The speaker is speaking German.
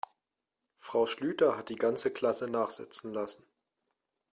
Frau Schlüter hat die ganze Klasse nachsitzen lassen.